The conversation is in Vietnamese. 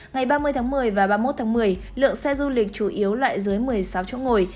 ngày ba mươi tháng một mươi và ba mươi một tháng một mươi lượng xe du lịch chủ yếu loại dưới một mươi sáu chỗ ngồi